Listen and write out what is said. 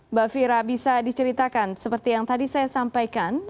mbak fira bisa diceritakan seperti yang tadi saya sampaikan